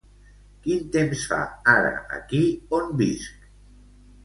Quin temps fa ara aquí on visc?